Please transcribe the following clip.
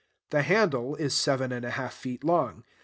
The handle is seven and a half feet long.